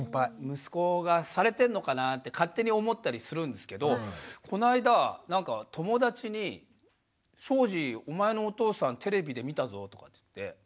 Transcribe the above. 息子がされてるのかなぁって勝手に思ったりするんですけどこの間なんか友達に「庄司お前のお父さんテレビで見たぞ」とかって言って。